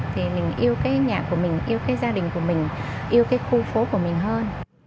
thì mình yêu cái nhạc của mình yêu cái gia đình của mình yêu cái khu phố của mình hơn